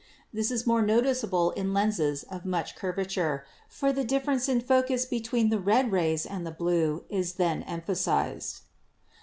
This is more noticeable in lenses of much curvature, for the difference in focus between the red rays and the blue is then emphasized.